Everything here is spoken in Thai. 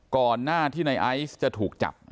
ก่อนหน้าที่ในไอซ์จะถูกจับ